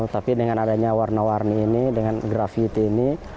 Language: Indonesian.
tapi dengan adanya warna warni ini dengan grafiti ini